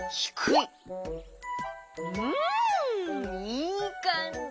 いいかんじ！